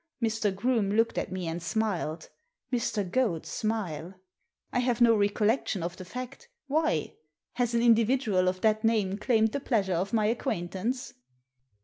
Mr. Groome looked at me and smiled — Mr. Goad's smile. " I have no recollection of the fact Why? Has an in dividual of that name claimed the pleasure of my acquaintance